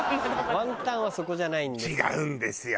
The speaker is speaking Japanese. ワンタンはそこじゃないんですよ。